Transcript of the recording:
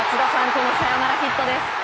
このサヨナラヒットです。